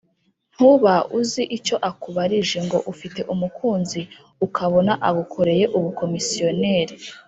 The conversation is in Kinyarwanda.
Ntuba uzi icyo akubarije ngo ufite umukunzi ukabona agukoreye ubukomisiyoneri